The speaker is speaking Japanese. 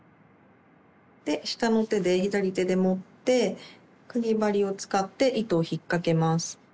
で下の手で左手で持ってかぎ針を使って糸を引っ掛けます。